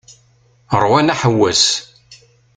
Rwan aḥewwes.